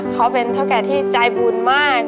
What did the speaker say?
เขาเป็นเท่าแก่ที่ใจบุญมาก